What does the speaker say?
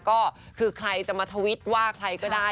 ก็คือใครจะมาทวิตว่าใครก็ได้